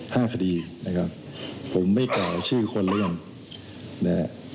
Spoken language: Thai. คดีนะครับผมไม่กล่าวชื่อคนเรื่องนะฮะ